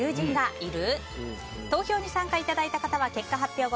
いる？